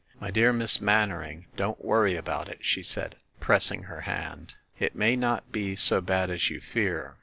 "My dear Miss Mannering, don't worry about it," she said, pressing her hand. "It may not be so bad as you fear.